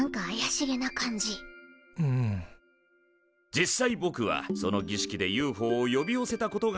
実際ぼくはそのぎしきでＵＦＯを呼び寄せたことがあるんだ。